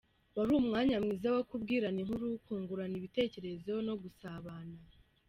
Wari umwanya mwiza wo kubwirana inkuru, kungurana ibitekerezo no gusabana.